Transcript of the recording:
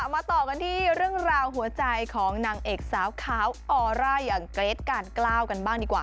มาต่อกันที่เรื่องราวหัวใจของนางเอกสาวขาวออร่าอย่างเกรทกาลกล้าวกันบ้างดีกว่า